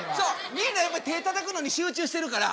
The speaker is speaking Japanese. みんなやっぱり手ぇたたくのに集中してるから。